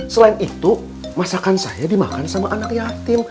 selain itu masakan saya dimakan sama anak yatim